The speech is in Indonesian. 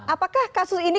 apakah kasus ini